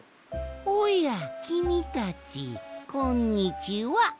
おやきみたちこんにちは。